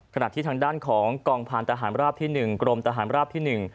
ขณะที่ทางด้านของกองพาลตะหารลาบที่หนึ่งกรมตะหารลาบที่หนึ่ง